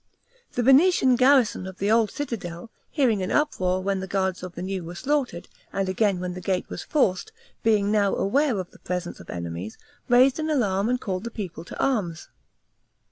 The Venetian garrison of the Old Citadel hearing an uproar, when the guards of the New were slaughtered, and again when the gate was forced, being now aware of the presence of enemies, raised an alarm, and called the people to arms.